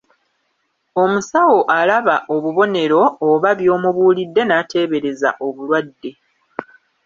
Omusawo alaba obubonero oba by'omubulidde n'ateebereza obulwadde.